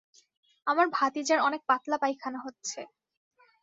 আমার ভাতিজার অনেক পাতলা পায়খানা হচ্ছে।